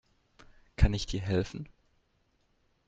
Kann ich dir helfen?